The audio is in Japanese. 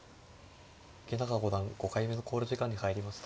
池永五段５回目の考慮時間に入りました。